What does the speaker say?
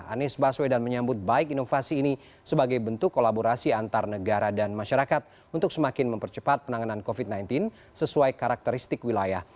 anies baswedan menyambut baik inovasi ini sebagai bentuk kolaborasi antar negara dan masyarakat untuk semakin mempercepat penanganan covid sembilan belas sesuai karakteristik wilayah